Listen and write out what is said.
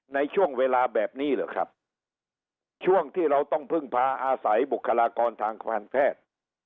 ในช่วงเวลาแบบนี้เหรอครับช่วงที่เราต้องพึ่งพาอาศัยบุคลากรทางการแพทย์